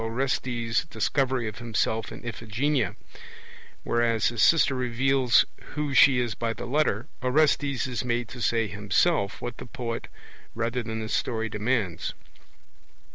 Orestes' Discovery of himself in Iphigenia: whereas his sister reveals who she is by the letter, Orestes is made to say himself what the poet rather than the story demands.